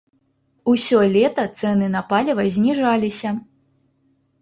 Усё лета цэны на паліва зніжаліся.